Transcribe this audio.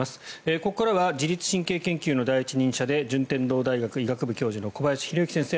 ここからは自律神経研究の第一人者で順天堂大学医学部教授の小林弘幸先生